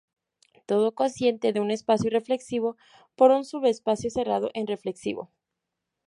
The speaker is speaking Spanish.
Todo cociente de un espacio reflexivo por un subespacio cerrado es reflexivo.